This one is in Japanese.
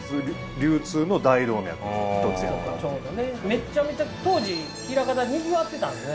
めちゃめちゃ当時枚方にぎわってたんですね。